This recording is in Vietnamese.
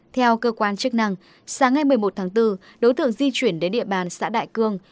theo cơ quan chức năng sáng ngày một mươi một tháng bốn đối tượng di chuyển đến địa bàn xã đại cương